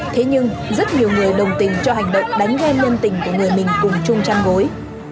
thế nhưng rất nhiều người đồng tình cho hành động đánh gen nhân tình của người mình cùng chung chăn gối